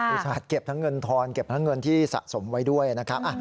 อุตส่าห์เก็บทั้งเงินทอนเก็บทั้งเงินที่สะสมไว้ด้วยนะครับ